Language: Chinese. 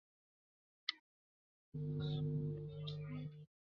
霍震寰也有少时海外求学的经历。